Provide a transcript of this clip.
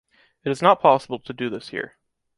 It is not possible to do this here.